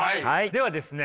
ではですね